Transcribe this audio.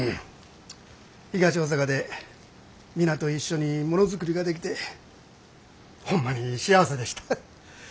東大阪で皆と一緒にものづくりができてホンマに幸せでした。